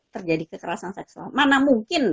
terjadi kekerasan seksual mana mungkin